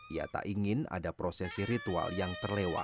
ia tak ingin ada prosesi ritual yang terlewat